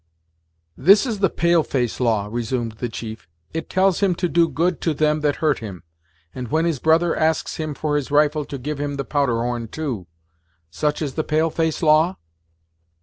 "This is the pale face law," resumed the chief. "It tells him to do good to them that hurt him, and when his brother asks him for his rifle to give him the powder horn, too. Such is the pale face law?"